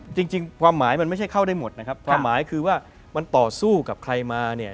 จริงความหมายมันไม่ใช่เข้าได้หมดนะครับความหมายคือว่ามันต่อสู้กับใครมาเนี่ย